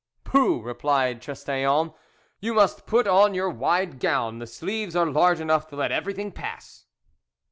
"Pooh!" replied Trestaillons, "you must put on your wide gown; the sleeves are large enough to let everything pass."